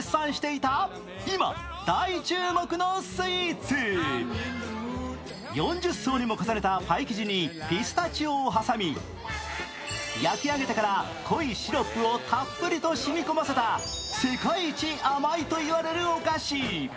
実は以前４０層にも重ねたパイ生地にピスタチオを挟み、焼き上げてから濃いシロップをたっぷりと染み込ませた世界一甘いと言われるお菓子。